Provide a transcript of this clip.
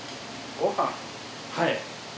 はい。